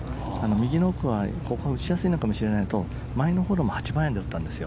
右の奥はここは打ちやすいのかもしれないと前のホールでも８番で打ったんです。